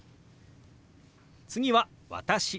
次は「私」。